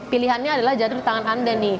pilihannya adalah jatuh di tangan anda nih